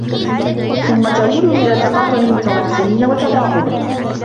ثُمَّ تُؤَوَّلُ إلَى تَقَاطُعِ الْمُتَوَاصِلِينَ ، وَتَبَاغُضِ